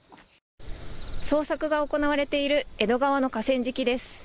捜索が行われている江戸川の河川敷です。